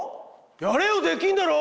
やれよできんだろ！